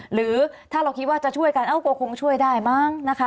หรือถ้าเราคิดว่าจะช่วยกันเอ้าก็คงช่วยได้มั้งนะคะ